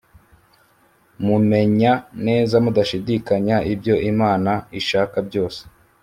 mumenya neza mudashidikanya ibyo Imana ishaka byose